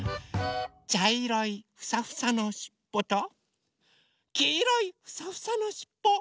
ちゃいろいフサフサのしっぽときいろいフサフサのしっぽ。